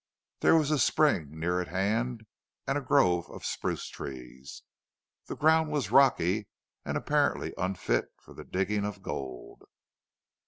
There was a spring near at hand and a grove of spruce trees. The ground was rocky, and apparently unfit for the digging of gold.